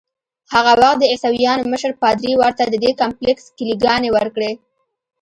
هغه وخت د عیسویانو مشر پادري ورته ددې کمپلیکس کیلې ګانې ورکړې.